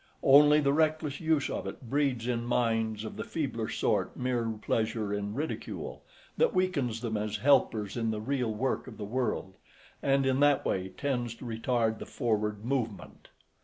Only the reckless use of it breeds in minds of the feebler sort mere pleasure in ridicule, that weakens them as helpers in the real work of the world, and in that way tends to retard the forward movement.